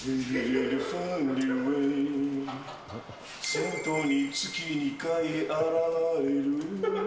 銭湯に月２回現れる。